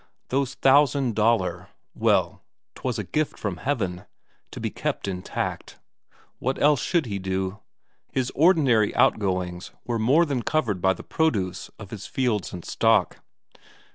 Those thousand Daler well, 'twas a gift from Heaven, to be kept intact. What else should he do? His ordinary outgoings were more than covered by the produce of his fields and stock.